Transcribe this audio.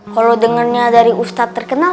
kalau dengarnya dari ustadz terkenal